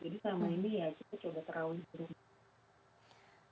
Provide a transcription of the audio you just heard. jadi selama ini ya kita coba taraweh di rumah